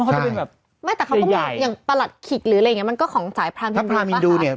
เหรอไม่แต่เขาก็มีอย่างประหลัดขิดหรืออะไรอย่างนี้มันก็ของสายพราหมณ์ฮินดูป่ะค่ะ